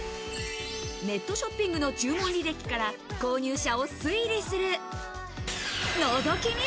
ネットショッピングの注文履歴から購入者を推理する、のぞき見。